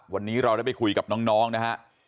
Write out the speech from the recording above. วันนี้เราได้ไปคุยกับน้องนะฮะ